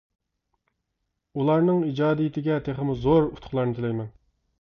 ئۇلارنىڭ ئىجادىيىتىگە تېخىمۇ زور ئۇتۇقلارنى تىلەيمەن!